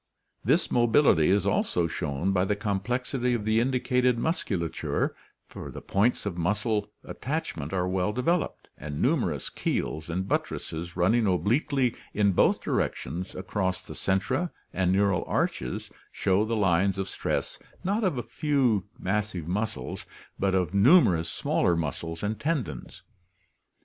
This mobility is also shown by the complexity of the indicated musculature, for the points of muscle attachment are well developed and numerous keels and buttresses running obliquely in both directions across the centra and neural arches show the lines of stress not of few massive muscles but of numerous smaller muscles and tendons.